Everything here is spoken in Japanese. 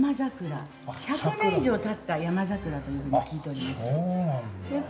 １００年以上経った山桜というふうに聞いております。